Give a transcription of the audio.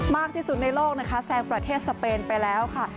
มากที่สุดในโลกนะคะแซงประเทศสเปนไปแล้วค่ะ